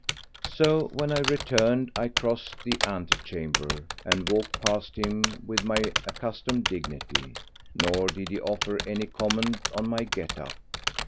So when I returned I crossed the ante chamber and walked past him with my accustomed dignity; nor did he offer any comment on my get up.